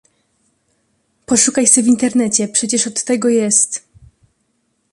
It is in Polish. Poszukaj se w internecie, przecież od tego jest.